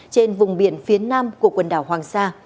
trên vùng biển phía nam của quần đảo hoàng sa